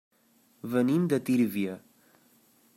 Venim de Tírvia.